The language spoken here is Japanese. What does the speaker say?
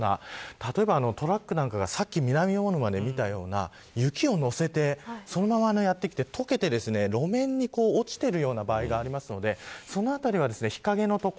例えば、トラックなんかがさっき、南魚沼で見たような雪をのせてそのままやってきて解けて路面に落ちている場合があるのでそのあたりは、日陰の所